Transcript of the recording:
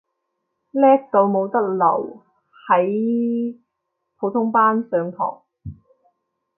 叻到冇得留喺普通班上堂